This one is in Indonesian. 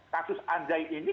kasus anjai ini